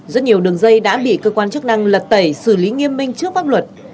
rất nhiều đường dây đã bị cơ quan chức năng lật tẩy xử lý nghiêm minh trước pháp luật